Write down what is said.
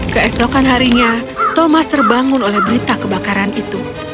keesokan harinya thomas terbangun oleh berita kebakaran itu